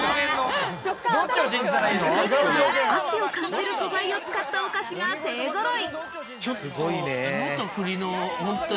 秋を感じる素材を使ったお菓子が勢ぞろい。